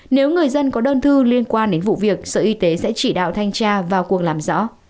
nếu người dân có đơn thư liên quan đến vụ việc sở y tế sẽ chỉ đạo thanh tra vào cuộc làm rõ